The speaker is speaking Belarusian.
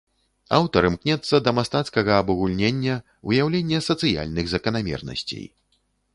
Аўтар імкнецца да мастацкага абагульнення, выяўлення сацыяльных заканамернасцей.